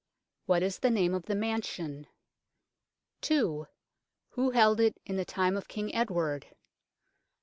What is the name of the mansion ? 2. Who held it in the time of King Edward